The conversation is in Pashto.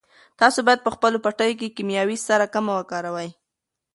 تاسو باید په خپلو پټیو کې کیمیاوي سره کمه وکاروئ.